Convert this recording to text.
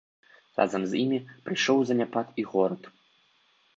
Разам з імі прыйшоў у заняпад і горад.